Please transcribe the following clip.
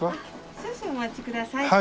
少々お待ちください。